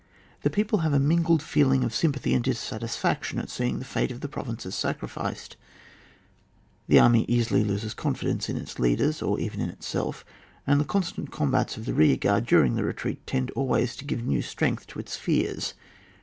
The people have a mingled feeling of sym pathy and dissatisfaction at seeing the late of the provinces sacrificed ; the army easily loses confidence in its leaders, or even in itself, and the constant comhats of the rear guard during the retreat, tend always to give new strength to its fears.